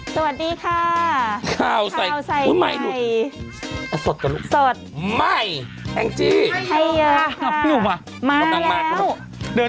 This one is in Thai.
สวัสดีค่ะข้าวใส่ข้าวใส่ไข่สดสดไม่แอ้งจี้ให้เยอะค่ะมาแล้ว